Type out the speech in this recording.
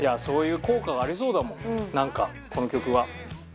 そういう効果がありそうだもんなんかこの曲は。